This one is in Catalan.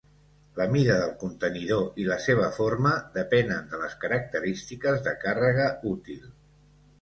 La mida del contenidor i la seva forma depenen de les característiques de càrrega útil.